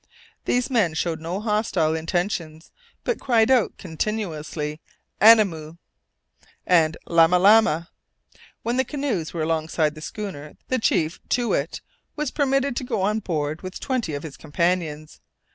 These men showed no hostile intentions, but cried out continuously "anamoo" and "lamalama." When the canoes were alongside the schooner, the chief, Too Wit, was permitted to go on board with twenty of his companions.